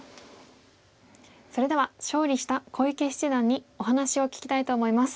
それでは勝利した小池七段にお話を聞きたいと思います。